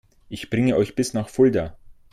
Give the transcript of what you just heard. Ich bringe euch bis nach Fulda